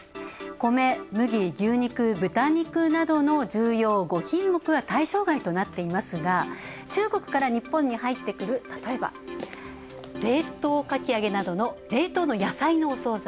米、麦、牛肉、豚肉などの重要５品目が対象外となっていますが、中国から日本に入ってくる、例えば、冷凍かき揚げなどの冷凍の野菜のお総菜。